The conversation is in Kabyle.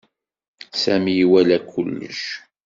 Sami iwala kullec.